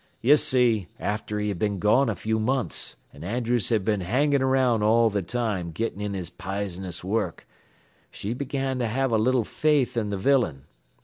"You see, after he had been gone a few months, an' Andrews had been hangin' around all th' time gettin' in his pisonous work, she began to have a little faith in th' villain.